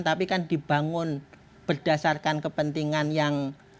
tapi kan dibangun berdasarkan kepentingan yang